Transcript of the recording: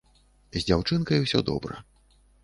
З дзяўчынкай усё добра.